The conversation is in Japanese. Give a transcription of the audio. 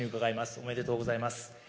おめでとうございます。